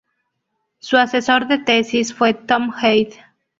Su asesor de tesis fue Tom Head.